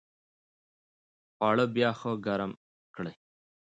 خواړه بیا ښه ګرم کړئ.